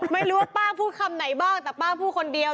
ไม่รู้ว่าป้าพูดคำไหนบ้างแต่ป้าพูดคนเดียว